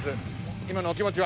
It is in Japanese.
今のお気持ちは？